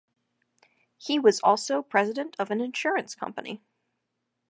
He was also president of an insurance company.